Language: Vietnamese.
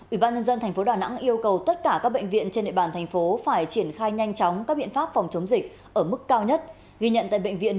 ủy ban nhân dân tp đà nẵng yêu cầu tất cả các bệnh viện trên nội bàn thành phố phải triển khai nhanh chóng các biện pháp phòng chống dịch ở mức cao nhất ghi nhận tại bệnh viện một trăm chín mươi chín bộ công an